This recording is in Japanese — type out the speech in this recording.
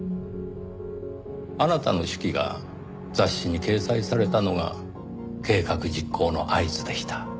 あなたの手記が雑誌に掲載されたのが計画実行の合図でした。